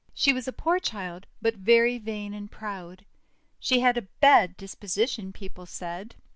She was a poor child, but very vain and proud. She had a bad disposition, people said.